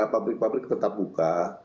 pabrik pabrik tetap buka